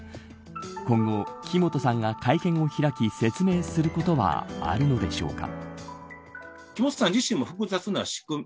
今後、木本さんが会見を開き説明することはあるのでしょうか。